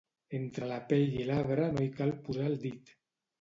Entre la pell i l'arbre no hi cal posar el dit.